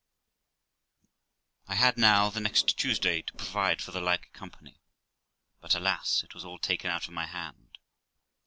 I had now, the next Tuesday, to provide for the like company. But, alas! it was all taken out of my hand.